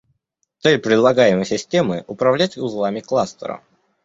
Цель предлагаемой системы – управлять узлами кластера